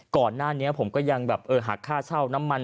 ก่อนหน้านี้ผมก็ยังแบบเออหักค่าเช่าน้ำมัน